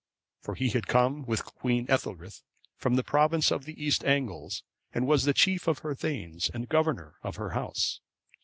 For he had come with Queen Ethelthryth(550) from the province of the East Angles, and was the chief of her thegns, and governor of her house.